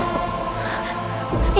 ibu nda tunggu